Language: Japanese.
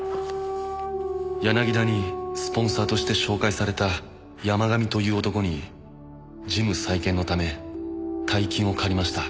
「柳田にスポンサーとして紹介された山神という男にジム再建の為大金を借りました」